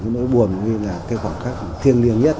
nói buồn như là khoảng khắc thiêng liêng nhất